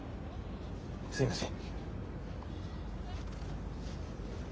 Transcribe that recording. すみません。